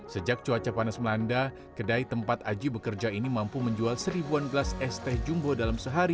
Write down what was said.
sejak cuaca panas melanda kedai tempat aji bekerja ini mampu menjual seribuan gelas es teh jumbo dalam sehari